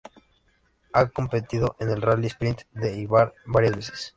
Ha competido en el Rally Sprint de Eibar varias veces.